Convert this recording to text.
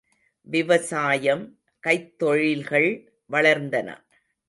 விவசாயம், கைத்தொழில்கள் வளர்ந்தன.